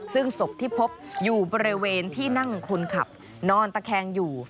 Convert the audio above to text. ซึ่งศพที่พบอยู่บริเวณที่นั่งคนขับนอนตะแคงอยู่